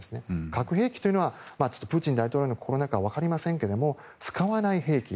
核兵器というのはプーチン大統領の心の中は分かりませんけども使わない兵器。